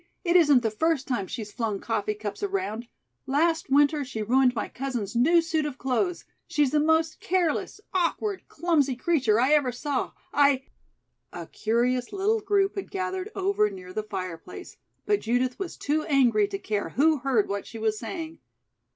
It isn't the first time she's flung coffee cups around. Last winter she ruined my cousin's new suit of clothes. She's the most careless, awkward, clumsy creature I ever saw. I " A curious little group had gathered over near the fireplace, but Judith was too angry to care who heard what she was saying.